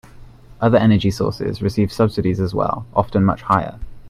Other energy sources receive subsidies as well, often much higher.